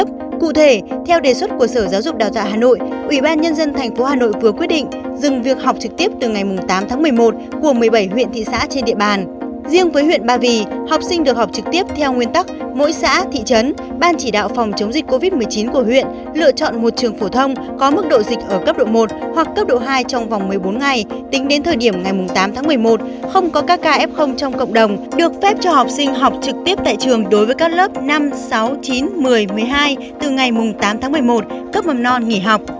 mỗi xã thị trấn ban chỉ đạo phòng chống dịch covid một mươi chín của huyện lựa chọn một trường phổ thông có mức độ dịch ở cấp độ một hoặc cấp độ hai trong vòng một mươi bốn ngày tính đến thời điểm ngày tám tháng một mươi một không có các kf trong cộng đồng được phép cho học sinh học trực tiếp tại trường đối với các lớp năm sáu chín một mươi một mươi hai từ ngày tám tháng một mươi một cấp mầm non nghỉ học